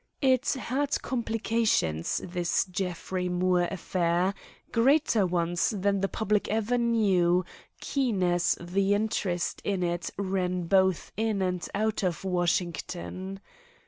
It had complications, this Jeffrey Moore affair; greater ones than the public ever knew, keen as the interest in it ran both in and out of Washington.